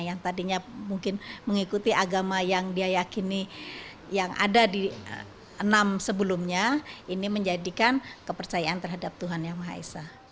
yang tadinya mungkin mengikuti agama yang dia yakini yang ada di enam sebelumnya ini menjadikan kepercayaan terhadap tuhan yang maha esa